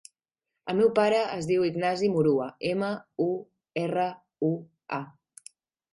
El meu pare es diu Ignasi Murua: ema, u, erra, u, a.